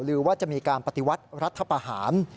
หรือว่าจะมีการปฏิวัติรัฐประหาร